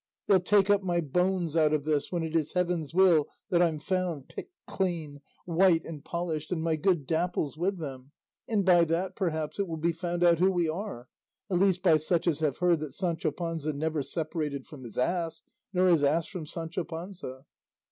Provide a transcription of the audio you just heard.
They'll take up my bones out of this, when it is heaven's will that I'm found, picked clean, white and polished, and my good Dapple's with them, and by that, perhaps, it will be found out who we are, at least by such as have heard that Sancho Panza never separated from his ass, nor his ass from Sancho Panza.